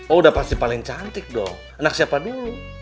oh udah pasti paling cantik dong anak siapa dulu